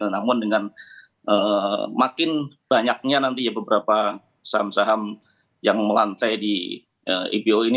namun dengan makin banyaknya nanti ya beberapa saham saham yang melantai di ebo ini